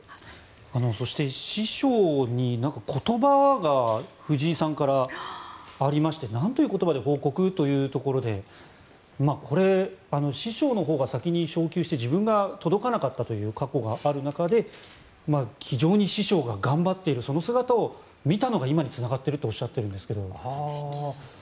そして、師匠に言葉が藤井さんからありましてなんという言葉で報告というところでこれ、師匠のほうが先に昇級して自分が届かなかったという過去がある中で気丈に師匠が頑張っているその姿を見たのが今につながっているとおっしゃっているんですが。